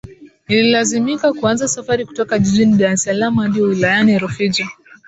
Nililazimika kuanza safari kutoka jijini Dar es Salaam hadi wilayani Rufiji